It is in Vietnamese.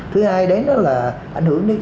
thứ hai đến đó là ảnh hưởng đến